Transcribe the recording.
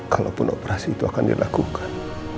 kalaupun operasi itu akan dilakukan